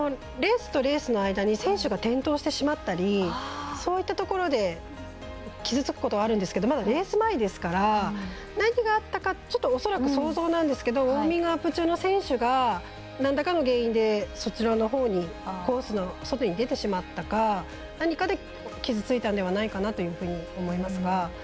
レースとレースの間に選手が転倒してしまったりそういったところで傷つくことはあるんですが、まだレース前ですから、何があったかこれは想像なんですけどウォーミングアップ中の選手がなんらかの原因でコースの外に出てしまったか、何かで傷ついたのではないかなと思います。